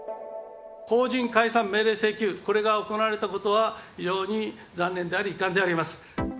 法人解散命令請求、これが行われたことは、非常に残念であり、遺憾であります。